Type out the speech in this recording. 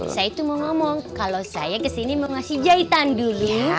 saya itu mau ngomong kalau saya kesini mau ngasih jahitan dulu